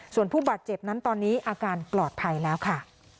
ส่วนผู้บาดเจ็บนั้นตอนนี้อาการปลอดภัยแล้วค่ะ